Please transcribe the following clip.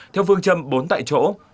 theo phương châm bốn tại chỗ